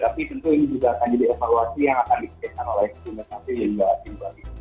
tapi tentu ini juga akan jadi evaluasi yang akan disediakan oleh pemerintah